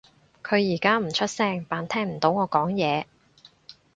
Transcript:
佢而家唔出聲扮聽唔到我講嘢